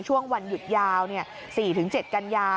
ช่วงวันหยุดยาว๔๗กันยา